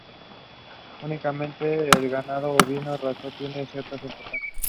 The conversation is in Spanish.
Únicamente el ganado ovino raso tiene cierta importancia.